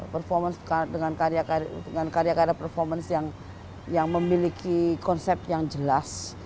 performance dengan karya karya performance yang memiliki konsep yang jelas